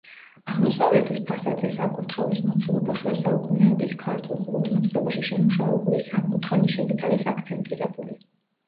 აღმოსავლეთის ფასადზე საკურთხევლის მოცულობა შუა საუკუნეების ქართულ ხუროთმოძღვრებაში შემუშავებული სამკუთხა ნიშებით არის აქცენტირებული.